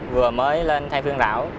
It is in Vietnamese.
vừa mới lên thay phiên đảo